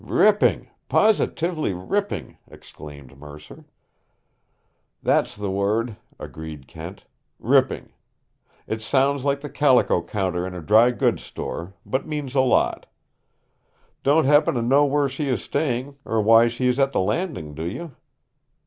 "Ripping, positively ripping!" exclaimed Mercer. "That's the word," agreed Kent. "Ripping. It sounds like the calico counter in a dry goods store, but means a lot. Don't happen to know where she is staying or why she is at the Landing, do you?"